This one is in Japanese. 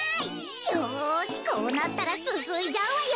よしこうなったらすすいじゃうわよ。